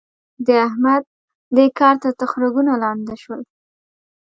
د احمد؛ دې کار ته تخرګونه لانده شول.